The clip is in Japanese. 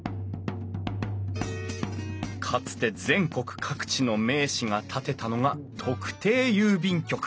かつて全国各地の名士が建てたのが特定郵便局。